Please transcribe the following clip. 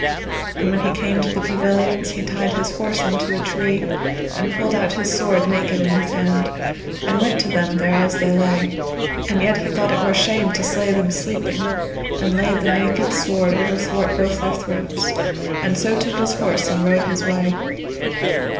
And when he came to the pavilions, he tied his horse unto a tree, and pulled out his sword naked in his hand, and went to them thereas they lay, and yet he thought it were shame to slay them sleeping, and laid the naked sword overthwart both their throats, and so took his horse and rode his way.